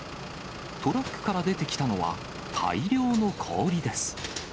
トラックから出てきたのは、大量の氷です。